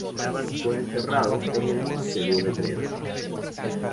Fue enterrado en el monasterio de Breda.